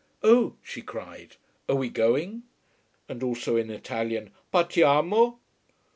"Oh," she cried, "are we going?" And also in Italian: "Partiamo?"